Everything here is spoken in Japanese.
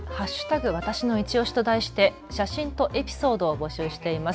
わたしのいちオシと題して写真とエピソードを募集しています。